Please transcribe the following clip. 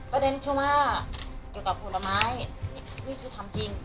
ประเด็นคือว่าเกี่ยวกับผลไม้นี่คือทำจริง